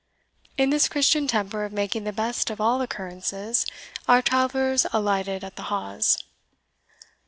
In this Christian temper of making the best of all occurrences, our travellers alighted at the Hawes.